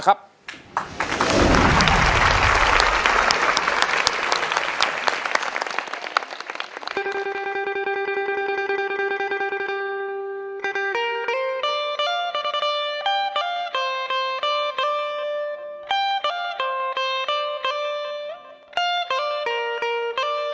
กลับไปก่อนที่สุดท้าย